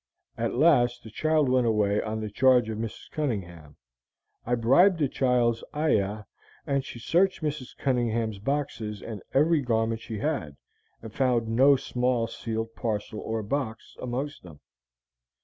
At last the child went away in the charge of Mrs. Cunningham. I bribed the child's ayah, and she searched Mrs. Cunningham's boxes and every garment she had, and found no small sealed parcel or box amongst them.